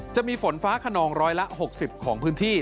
จะมีฝนฟ้าขนองร้อยละ๖๐ของพื้นที่